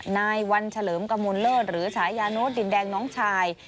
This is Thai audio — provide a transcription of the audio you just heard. นายวันเฉลิมกระมวลเลิศหรือฉายาโน้ตดินแดงน้องชาย